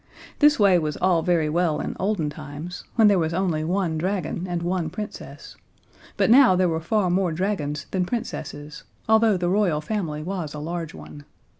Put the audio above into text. This way was all very well in olden times when there was only one dragon and one Princess; but now there were far more dragons than Princesses although the Royal Family was a large one.